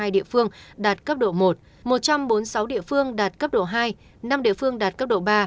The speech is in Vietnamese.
ba trăm một mươi hai địa phương đạt cấp độ một một trăm bốn mươi sáu địa phương đạt cấp độ hai năm địa phương đạt cấp độ ba